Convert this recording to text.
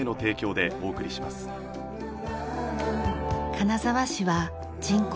金沢市は人口